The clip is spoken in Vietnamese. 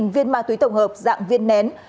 một mươi viên ma túy tổng hợp dạng viên nén